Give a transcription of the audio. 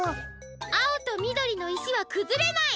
あおとみどりのいしはくずれない！